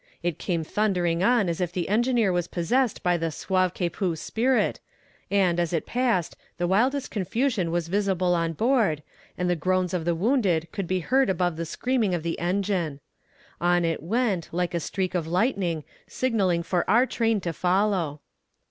It came thundering on as if the engineer was possessed by the sauve qui peut spirit, and, as it passed, the wildest confusion was visible on board, and the groans of the wounded could be heard above the screaming of the engine. On it went, like a streak of lightning, signaling for our train to follow.